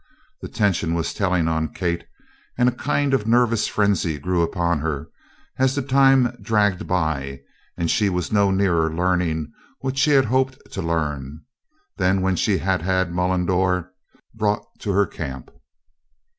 The tension was telling on Kate and a kind of nervous frenzy grew upon her as the time dragged by and she was no nearer learning what she had hoped to learn than when she had had Mullendore brought to her camp.